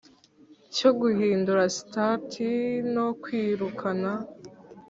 Cyo guhindura sitati no kwirukana